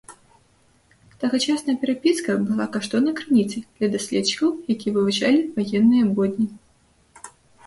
Тагачасная перапіска была каштоўнай крыніцай для даследчыкаў, якія вывучалі ваенныя будні.